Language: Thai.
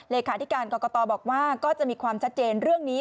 เลขาธิการกรกตบอกว่าก็จะมีความชัดเจนเรื่องนี้